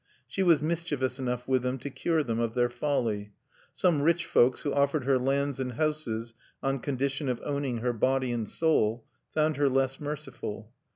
She was mischievous enough with them to cure them of their folly. Some rich folks who offered her lands and houses on condition of owning her, body and soul, found her less merciful.